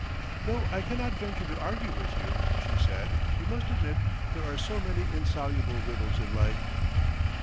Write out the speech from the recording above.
"Though I cannot venture to argue with you," she said, "you must admit there are so many insoluble riddles in life!"